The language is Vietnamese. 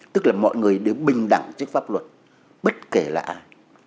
tức là mọi người đều bình đẳng trước pháp luật bất kể là ai